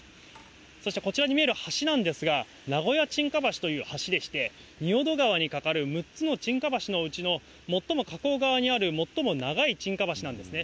そしてこちらに見える橋なんですが、名古屋ちんか橋と呼ばれる橋でして、仁淀川に架かる６つのちんか橋のうちの、最も河口側にある最も長いちんか橋なんですね。